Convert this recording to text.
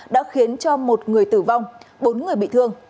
đã khiến cho một người tử vong bốn người bị thương